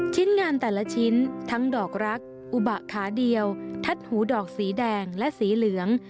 ชิ้นงานแต่ละชิ้นทั้งดอกรักอุบะขาเดียวทัดหูดอกสีแดงและสีเหลือง